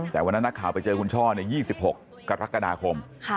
แต่วันนั้นนักข่าวไปเจอคุณช่อ๒๖กรกฎาคม